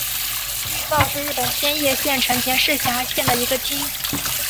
玉造是日本千叶县成田市下辖的一个町。